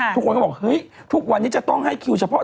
ทุกคนก็บอกเฮ้ยทุกวันนี้จะต้องให้คิวเฉพาะ